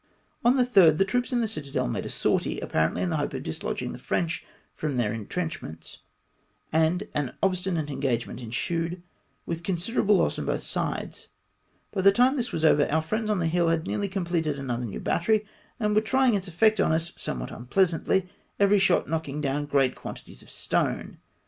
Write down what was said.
On the 3rd the troops in the citadel made a sortie, apparently in the hope of dislodging the French from their intrenchments, and an obstinate engagement ensued, with considerable loss on both sides. By the time this was over, our friends on the hill had nearly completed another new battery, and were trying its effect on us somewhat unpleasantly, every shot knock ing down great quantities of stone.